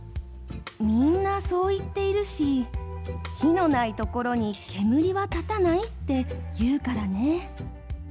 みんなそう言っているし、火のないところに煙は立たないっていうからね。